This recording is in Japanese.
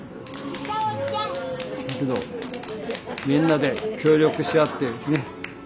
みんなで協力し合ってですね